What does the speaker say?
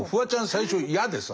最初嫌でさ。